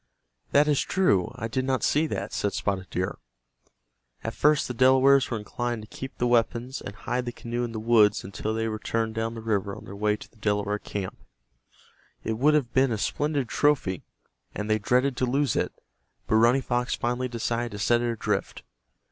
"That is true, I did not see that," said Spotted Deer. At first the Delawares were inclined to keep the weapons, and hide the canoe in the woods until they returned down the river on their way to the Delaware camp. It would have been a splendid trophy, and they dreaded to lose it, but Running Fox finally decided to set it adrift.